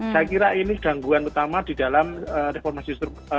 saya kira ini gangguan utama di dalam reformasi struktur